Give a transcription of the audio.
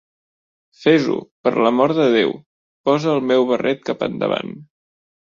Fes-ho, per l"amor de Déu, posa el meu barret cap endavant.